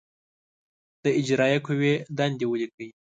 د اجرائیه قوې دندې ولیکئ.